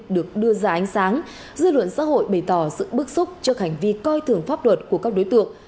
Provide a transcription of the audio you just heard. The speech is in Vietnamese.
được đưa ra ánh sáng dư luận xã hội bày tỏ sự bức xúc trước hành vi coi thường pháp luật của các đối tượng